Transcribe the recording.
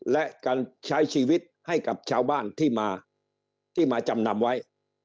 และการใช้ชีวิตให้กับชาวบ้านที่มาที่มาจำนำไว้